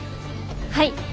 はい。